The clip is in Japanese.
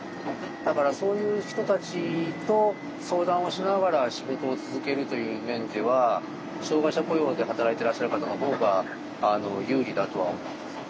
だからそういう人たちと相談をしながら仕事を続けるという面では障害者雇用で働いてらっしゃる方のほうが有利だとは思います。